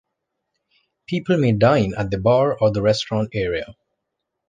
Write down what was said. People may dine at the bar or restaurant area.